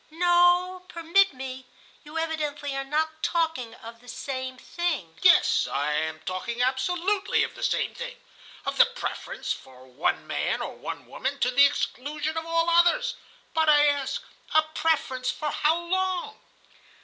"No, permit me, you evidently are not talking of the same thing." "Yes, I am talking absolutely of the same thing. Of the preference for one man or one woman to the exclusion of all others. But I ask: a preference for how long?"